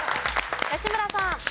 吉村さん。